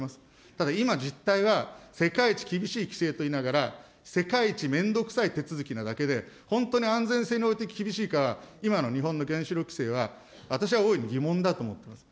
ただ、今、実態は、世界一厳しい規制と言いながら、世界一めんどくさい手続きなだけで、本当に安全性において厳しいかは、今の日本の原子力規制は私は大いに疑問だと思っています。